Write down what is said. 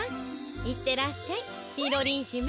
いってらっしゃいみろりんひめ。